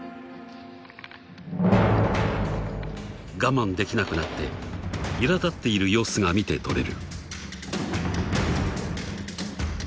［我慢できなくなっていら立っている様子が見て取れる］